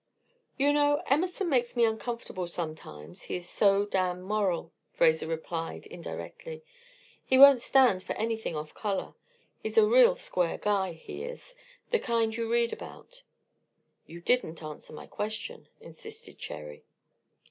"You know, Emerson makes me uncomfortable sometimes, he is so damn moral," Fraser replied, indirectly. "He won't stand for anything off color. He's a real square guy, he is, the kind you read about." "You didn't answer my question," insisted Cherry.